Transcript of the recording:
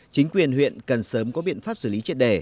chính quyền huyện cần sớm có biện pháp xử lý triệt đề theo quy định